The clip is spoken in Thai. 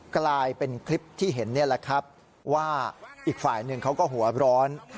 กลายเป็นคลิปที่เห็นว่าอีกฝ่ายหนึ่งเขาก็หัวร้อน